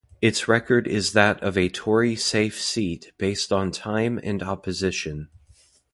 Its record is that of a Tory safe seat based on time and opposition.